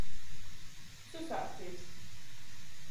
Susātivs.